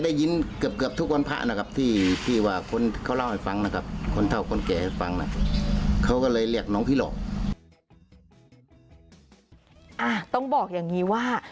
แต่ก็ยังไม่มีใครเห็นผีตัวเป็นนะ